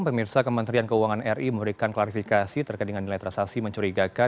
pemirsa kementerian keuangan ri memberikan klarifikasi terkait dengan nilai transaksi mencurigakan